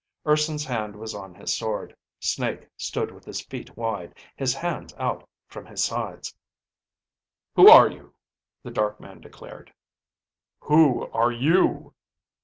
Urson's hand was on his sword. Snake stood with his feet wide, his hands out from his sides. "Who are you?" the dark man declared. "Who are you?"